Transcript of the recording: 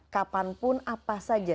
kapanpun apa saja